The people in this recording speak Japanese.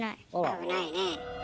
危ないね。